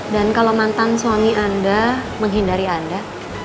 dan kalau mantan suami anda menghindari anda